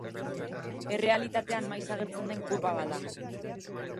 Errealitatean maiz agertzen den kurba bat da.